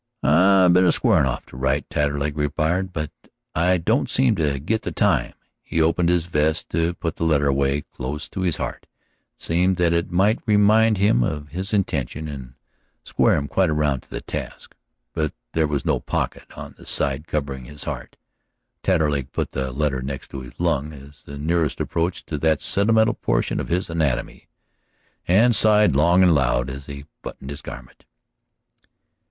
"I've been a squarin' off to write," Taterleg replied, "but I don't seem to git the time." He opened his vest to put the letter away close to his heart, it seemed, that it might remind him of his intention and square him quite around to the task. But there was no pocket on the side covering his heart. Taterleg put the letter next his lung as the nearest approach to that sentimental portion of his anatomy, and sighed long and loud as he buttoned his garment.